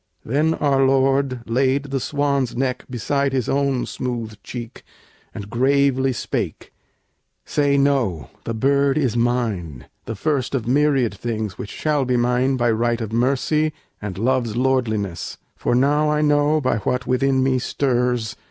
Then our Lord Laid the swan's neck beside his own smooth cheek And gravely spake: "Say no! the bird is mine, The first of myriad things which shall be mine By right of mercy and love's lordliness. For now I know, by what within me stirs.